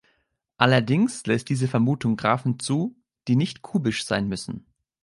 Allerdings lässt diese Vermutung Graphen zu, die nicht kubisch sein müssen.